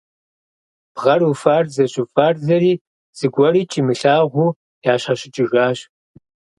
Бгъэр уфарзэщ-уфарзэри, зыгуэрикӀ имылъагъуу ящхьэщыкӀыжащ.